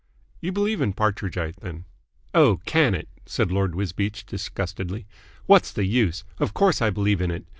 "You believe in Partridgite, then?" "Oh, can it," said Lord Wisbeach disgustedly. "What's the use? Of course I believe in it.